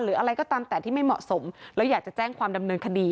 อะไรก็ตามแต่ที่ไม่เหมาะสมแล้วอยากจะแจ้งความดำเนินคดี